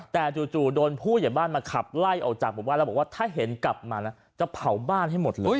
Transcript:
แต่จู่โดนผู้ใหญ่บ้านมาขับไล่ออกจากหมู่บ้านแล้วบอกว่าถ้าเห็นกลับมานะจะเผาบ้านให้หมดเลย